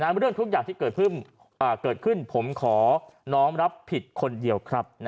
เรื่องทุกอย่างที่เกิดขึ้นผมขอน้องรับผิดคนเดียวครับ